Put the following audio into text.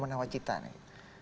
nah menawar cita nih